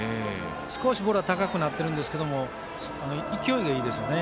少しボールが高くなってるんですが勢いがいいですね。